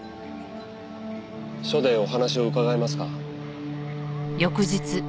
署でお話を伺えますか？